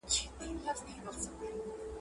تاسي چيري ځئ؟